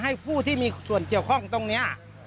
ให้ผู้ที่มีส่วนเฉียวข้องตรงเนี้ย